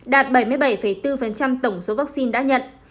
đạt bảy mươi bảy bốn tổng số vaccine đã nhận